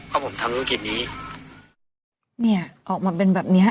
เพราะผมทำธุรกิจนี้เนี่ยออกมาเป็นแบบเนี้ย